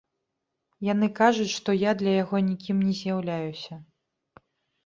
Яны кажуць, што я для яго нікім не з'яўляюся.